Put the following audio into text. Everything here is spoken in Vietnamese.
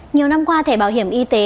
nhiều năm qua thẻ bảo hiểm y tế